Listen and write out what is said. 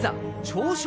朝食